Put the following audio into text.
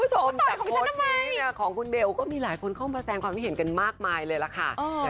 เห็นแบบนั้นเลยค่ะแต่ต่อยทำไมละ